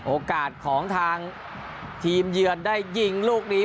โอกาสของทางทีมเยือนได้ยิงลูกนี้